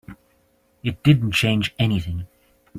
It didn't change anything.